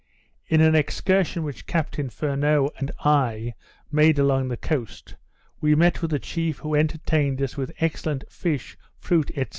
In an excursion which Captain Furneaux and I made along the coast, we met with a chief who entertained us with excellent fish, fruit, &c.